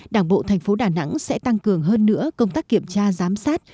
đảng bộ tp đà nẵng sẽ tăng cường hơn nữa công tác kiểm tra giám sát